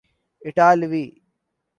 اطالوی